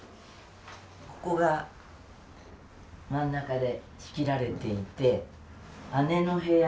ここが真ん中で仕切られていて姉の部屋